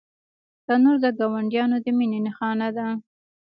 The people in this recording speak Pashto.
تنور د ګاونډیانو د مینې نښانه ده